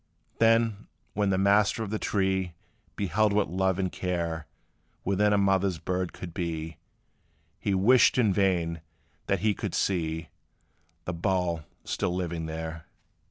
Then, when the master of the tree Beheld what love and care Within a mother bird could be, He wished in vain that he could see The bough still living there.